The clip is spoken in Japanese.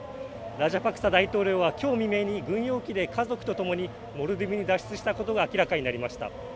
ラジャパクサ大統領はきょう未明に軍用機で家族とともにモルディブに脱出したことが明らかになりました。